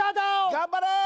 頑張れー！